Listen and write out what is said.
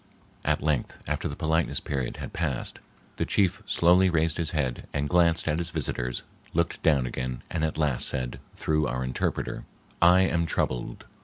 At length, after the politeness period had passed, the chief slowly raised his head and glanced at his visitors, looked down again, and at last said, through our interpreter:— "I am troubled.